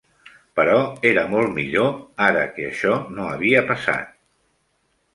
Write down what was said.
Però era molt millor ara que això no havia passat!